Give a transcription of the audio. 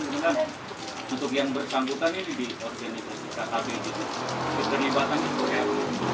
mungkin untuk yang bersangkutan ini di organisasi tkp itu terlibat dari peran